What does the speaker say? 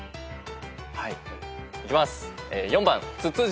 はいいきます。